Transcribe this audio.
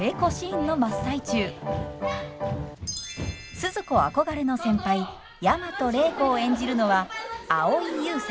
スズ子憧れの先輩大和礼子を演じるのは蒼井優さん。